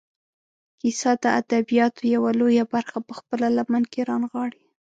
کیسه د ادبیاتو یوه لویه برخه په خپله لمن کې رانغاړي.